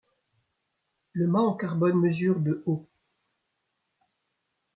Le mât en carbone mesure de haut.